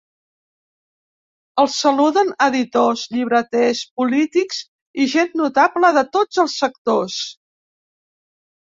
El saluden editors, llibreters, polítics i gent notable de tots els sectors.